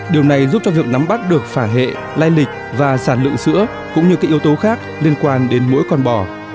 điều này giúp cho việc nắm bắt được phả hệ lai lịch và sản lượng sữa cũng như các yếu tố khác liên quan đến mỗi con bò